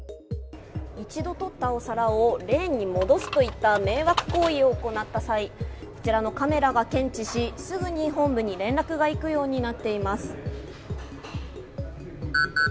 一度取ったお皿をレーンに戻すといった迷惑行為を行った場合こちらのカメラが検知し、すぐに本部に連絡が行くようになっています。